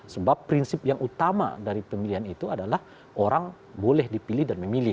sebab prinsip yang utama dari pemilihan itu adalah orang boleh dipilih dan memilih